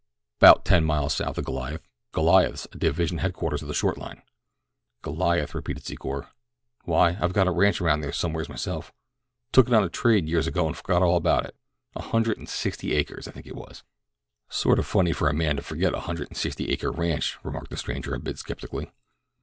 "'Bout ten miles south of Goliath. Goliath's a division headquarters on the Short Line." "Goliath," repeated Secor. "Why, I've got a ranch around there somewhere myself—took it on a trade years ago and forgot all about it. One hundred and sixty acres, I think it was." "Sort o' funny for a man to forget a hundred and sixty acre ranch," remarked the stranger a bit skeptically.